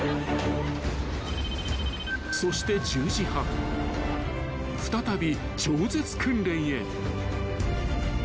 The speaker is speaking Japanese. ［そして１０時半再び超絶訓練へ］